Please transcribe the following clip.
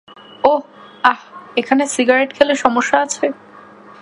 ওহ, আহহ, এখানে সিগারেট খেলে সমস্যা আছে?